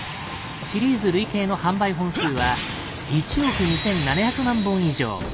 シリーズ累計の販売本数は１億２，７００万本以上。